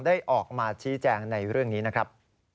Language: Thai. ได้ออกมาชี้แจงในเรื่องนี้นะครับ